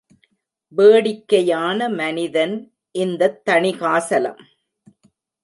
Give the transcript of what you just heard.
வேடிக்கையான மனிதன் இந்தத் தணிகாசலம்.